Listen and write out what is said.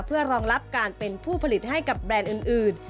เพื่อรองรับการเป็นผู้ผลิตให้กับแบรนด์อื่น